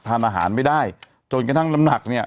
ทานอาหารไม่ได้จนกระทั่งน้ำหนักเนี่ย